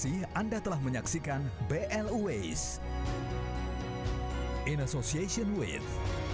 terima kasih anda telah menyaksikan blu ways